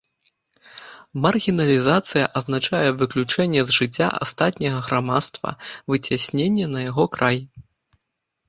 Маргіналізацыя азначае выключэнне з жыцця астатняга грамадства, выцясненне на яго край.